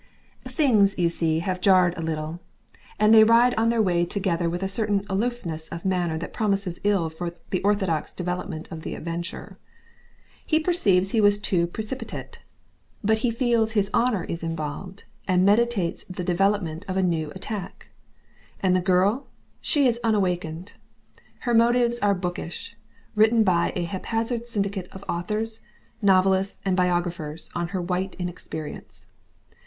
Things, you see, have jarred a little, and they ride on their way together with a certain aloofness of manner that promises ill for the orthodox development of the Adventure. He perceives he was too precipitate. But he feels his honour is involved, and meditates the development of a new attack. And the girl? She is unawakened. Her motives are bookish, written by a haphazard syndicate of authors, novelists, and biographers, on her white inexperience.